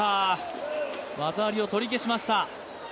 技ありを取り消しました。